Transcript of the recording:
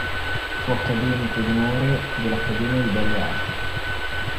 Fu accademico d'onore dell'Accademia di Belle Arti.